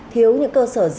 thiếu những cơ sở thông tin